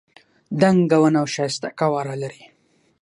دنګه ونه او ښایسته قواره لري.